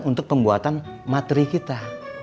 untuk pembuatan materi kita